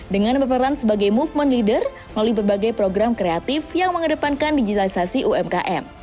dengan berperan sebagai movement leader melalui berbagai program kreatif yang mengedepankan digitalisasi umkm